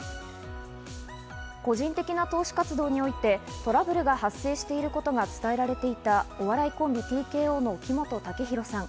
個人的な投資活動において、トラブルが発生していることが伝えられていた、お笑いコンビ、ＴＫＯの木本武宏さん。